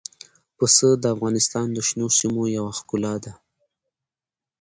پسه د افغانستان د شنو سیمو یوه ښکلا ده.